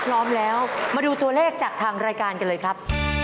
พร้อมแล้วมาดูตัวเลขจากทางรายการกันเลยครับ